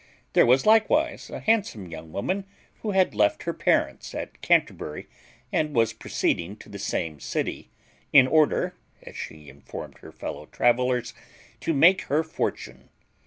There was likewise a handsome young woman who had left her parents at Canterbury, and was proceeding to the same city, in order (as she informed her fellow travellers) to make her fortune.